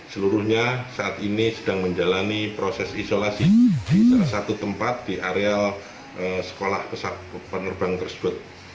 seluruhnya saat ini sedang menjalani proses isolasi di salah satu tempat di areal sekolah penerbang tersebut